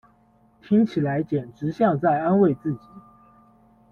听起来简直像在安慰自己